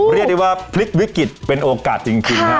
เรียกได้ว่าพลิกวิกฤตเป็นโอกาสจริงฮะ